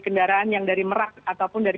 kendaraan yang dari merak ataupun dari